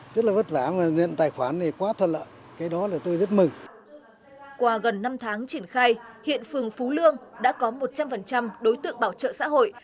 qua gần năm tháng triển khai hiện phường phú lương đã có một trăm linh đối tượng bảo trợ xã hội